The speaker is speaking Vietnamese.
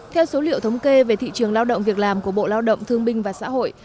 theo số liệu thống kê về thị trường lao động việc làm của bộ lao động thương binh và xã hội